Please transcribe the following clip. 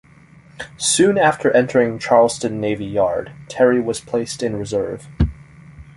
Soon after entering Charleston Navy Yard, "Terry" was placed in reserve.